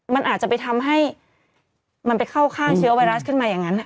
มันอาจจะไปทำให้มันไปเข้าข้างเชื้อไวรัสขึ้นมาอย่างนั้น